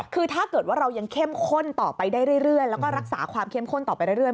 คือถ้าเกิดว่าเรายังเข้มข้นต่อไปได้เรื่อยแล้วก็รักษาความเข้มข้นต่อไปเรื่อย